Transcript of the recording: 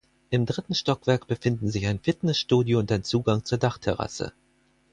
Im dritten Stockwerk befinden sich ein Fitnessstudio und ein Zugang zur Dachterrasse.